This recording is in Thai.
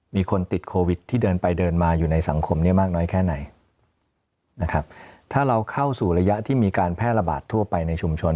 มีคนติดโควิดที่เดินไปเดินมาอยู่ในสังคมนี้มากน้อยแค่ไหนนะครับถ้าเราเข้าสู่ระยะที่มีการแพร่ระบาดทั่วไปในชุมชน